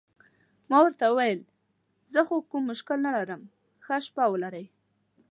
ما ورته وویل: زه خو کوم مشکل نه لرم، ښه شپه ولرئ.